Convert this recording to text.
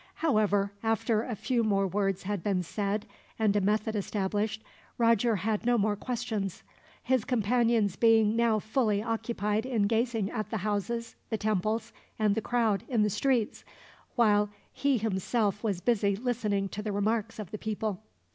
However, after a few more words had been said, and a method established, Roger asked no more questions; his companions being now fully occupied in gazing at the houses, the temples, and the crowd in the streets, while he himself was busy listening to the remarks of the people.